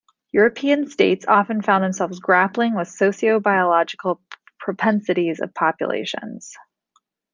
European states often found themselves grappling with sociobiological propensities of populations.